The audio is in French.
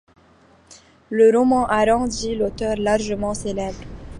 Le roman a rendu l'auteur largement célèbre.